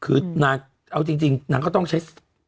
เอาจริงนางก็ต้องใช้